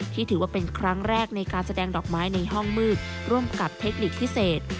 ถือว่าเป็นครั้งแรกในการแสดงดอกไม้ในห้องมืดร่วมกับเทคนิคพิเศษ